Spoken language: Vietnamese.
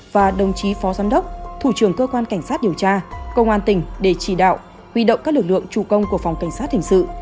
và đồng chí phó giám đốc thủ trưởng cơ quan cảnh sát điều tra công an tỉnh để chỉ đạo huy động các lực lượng chủ công của phòng cảnh sát hình sự